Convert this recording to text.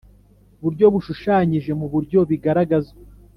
Buryo bushushanyije mu buryo bigaragazwa